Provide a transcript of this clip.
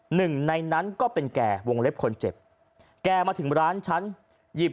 หนึ่งในนั้นก็เป็นแก่วงเล็บคนเจ็บแกมาถึงร้านฉันหยิบ